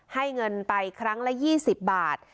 ให้เงินไปครั้งละ๒๐บาท